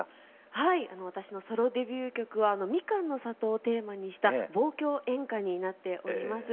はい私のソロデビュー曲はみかんの里をテーマにした望郷演歌になっております。